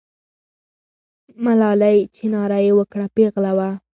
ملالۍ چې ناره یې وکړه، پیغله وه.